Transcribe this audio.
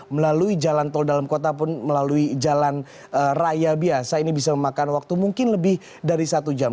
melalui jalan tol dalam kota pun melalui jalan raya biasa ini bisa memakan waktu mungkin lebih dari satu jam